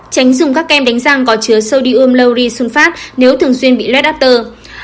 tránh dùng các kem đánh răng có chứa sodium lauryl sulfate nếu thường xuyên bị led after